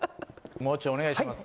もう中お願いします。